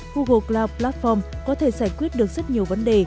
google cloud platform có thể giải quyết được rất nhiều vấn đề